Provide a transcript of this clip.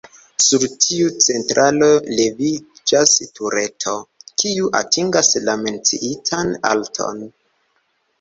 Sur tiu centralo leviĝas tureto, kiu atingas la menciitan alton.